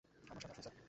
আমার সাথে আসুন, স্যার।